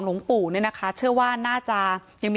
หลวงปู่นั่นก็เจอลักษณะคล้ายกัน